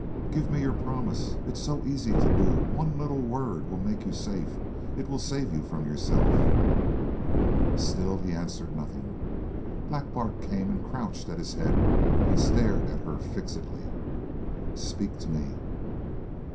"Give me your promise! It is so easy to do. One little word will make you safe. It will save you from yourself." Still he answered nothing. Black Bart came and crouched at his head and stared at her fixedly. "Speak to me!"